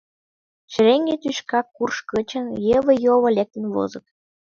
Шереҥге тӱшка курш гычын йыве-йово лектын возыт.